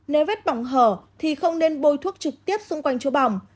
nếu vết bỏng hở thì không nên bôi thuốc trực tiếp xung quanh chú bỏng